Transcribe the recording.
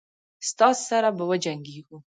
ستاسي سره به وجنګیږو.